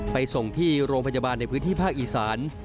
ไปส่งที่โรงพยาบาลในพื้นที่ภาคอีสาน